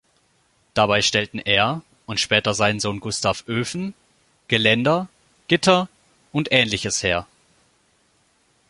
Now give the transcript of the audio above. Dabei stellten er und später sein Sohn Gustav Öfen, Geländer, Gitter und Ähnliches her.